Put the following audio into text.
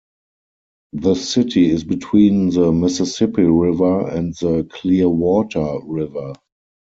The city is between the Mississippi River and the Clearwater River.